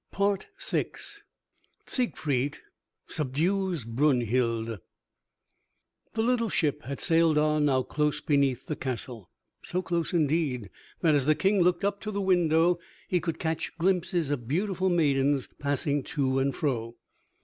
VI SIEGFRIED SUBDUES BRUNHILD The little ship had sailed on now close beneath the castle, so close indeed that as the King looked up to the window he could catch glimpses of beautiful maidens passing to and fro.